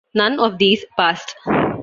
None of these passed.